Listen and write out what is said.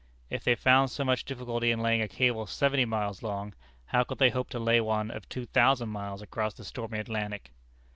If they found so much difficulty in laying a cable seventy miles long, how could they hope to lay one of two thousand miles across the stormy Atlantic?